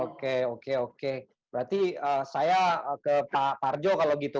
oke oke oke berarti saya ke pak parjo kalau gitu